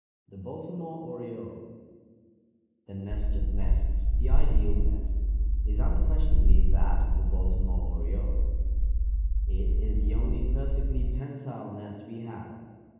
THE BALTIMORE ORIOLE The nest of nests, the ideal nest, is unquestionably that of the Baltimore oriole. It is the only perfectly pensile nest we have.